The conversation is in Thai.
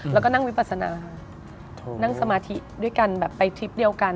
แล้วก็นั่งวิปัสนานั่งสมาธิด้วยกันแบบไปทริปเดียวกัน